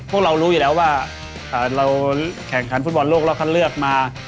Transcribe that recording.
พวกเรารู้อยู่แล้วว่าเราแข่งขันฟุตบอลโลกรอบคัดเลือกมา